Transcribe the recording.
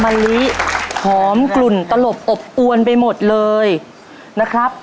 มะลิหอมกลุ่นตลบอบอวนไปหมดเลยนะครับ